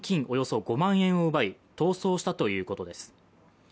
およそ５万円を奪い、逃走したということです。